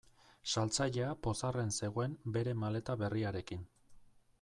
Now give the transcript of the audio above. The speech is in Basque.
Saltzailea pozarren zegoen bere maleta berriarekin.